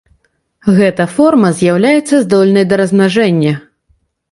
Гэта форма з'яўляецца здольнай да размнажэння.